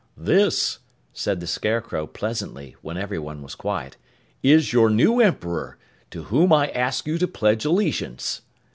"This," said the Scarecrow pleasantly when everyone was quiet, "is your new Emperor, to whom I ask you to pledge allegiance."